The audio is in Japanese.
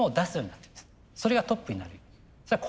それがトップになるように。